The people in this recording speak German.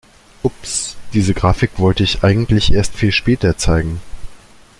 Ups, diese Grafik wollte ich eigentlich erst viel später zeigen.